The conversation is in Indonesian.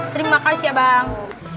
terima kasih ya bang